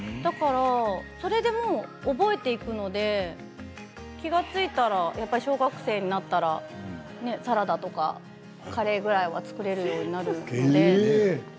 それで覚えていくので気が付いたら、小学生になったらサラダとかカレーぐらいは作れるようになるんです。